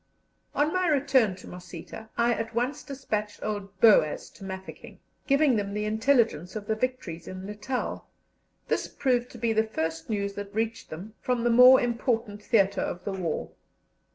On my return to Mosita I at once despatched old Boaz to Mafeking, giving them the intelligence of the victories in Natal. This proved to be the first news that reached them from the more important theatre of the war.